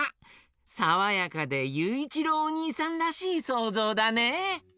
さわやかでゆういちろうおにいさんらしいそうぞうだね！